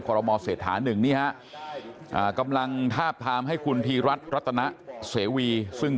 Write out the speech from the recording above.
ควรละมเศรษฐา๑เนี่ยกำลังทาบทามให้คุณทีรัฐรัตนาเสวีซึ่ง